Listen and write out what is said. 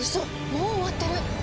もう終わってる！